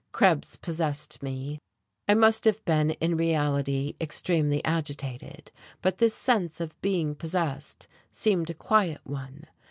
Krebs possessed me; I must have been in reality extremely agitated, but this sense of being possessed seemed a quiet one.